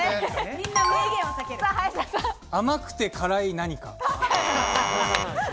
甘くて辛い何か。